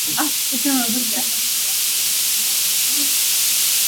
El centro se encuentra abierto.